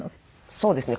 そうですね。